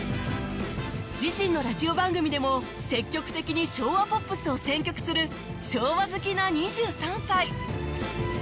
自身のラジオ番組でも積極的に昭和ポップスを選曲する昭和好きな２３歳